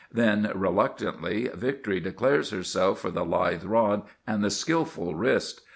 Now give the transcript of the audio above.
Then, reluctantly, victory declares herself for the lithe rod and the skilful wrist.